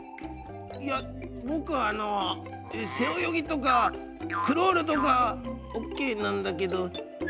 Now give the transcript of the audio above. いやぼくあの背泳ぎとかクロールとかオッケーなんだけど。